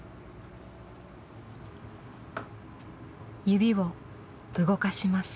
指を動かします。